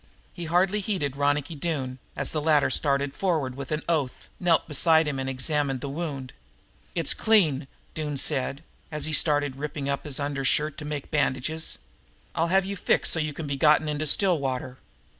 He hardly heeded Ronicky Doone, as the latter started forward with an oath, knelt beside him and examined the wound. "It's clean," Doone said, as he started ripping up his undershirt to make bandages. "I'll have you fixed so you can be gotten into Stillwater."